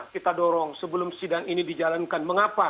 kita dorong sebelum sidang ini dijalankan mengapa